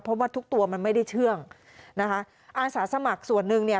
เพราะว่าทุกตัวมันไม่ได้เชื่องนะคะอาสาสมัครส่วนหนึ่งเนี่ย